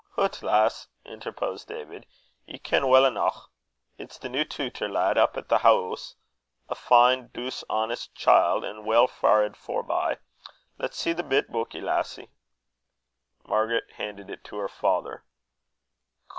"Hoot, lass!" interposed David, "ye ken weel aneuch. It's the new tutor lad, up at the hoose; a fine, douce, honest chield, an' weel faured, forby. Lat's see the bit beuky, lassie." Margaret handed it to her father.